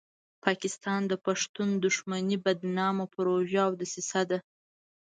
پاکستان د پښتون دښمنۍ بدنامه پروژه او دسیسه ده.